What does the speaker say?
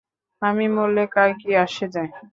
আমি মরলে কার কি আসে যায়?